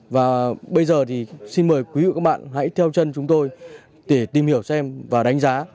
và bây giờ thì xin mời quý vị và các bạn hãy theo chân chúng tôi để tìm hiểu xem và đánh giá